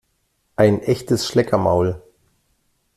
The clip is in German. Ein echtes Schleckermaul!